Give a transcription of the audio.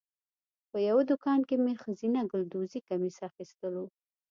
په یوه دوکان کې مې ښځینه ګلدوزي کمیس اخیستلو.